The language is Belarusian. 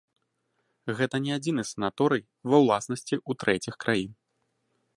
Гэта не адзіны санаторый ва ўласнасці ў трэціх краін.